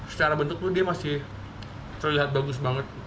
secara bentuk tuh dia masih terlihat bagus banget